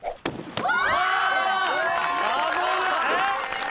うわ！